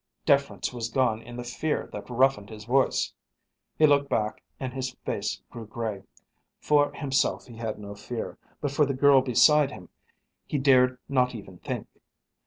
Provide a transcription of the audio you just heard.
Deference was gone in the fear that roughened his voice. He looked back and his face grew grey. For himself he had no fear, but for the girl beside him he dared not even think.